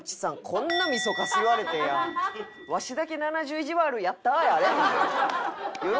こんなみそかす言われてやわしだけ「７０いじわる！やったー！」やあれへんで。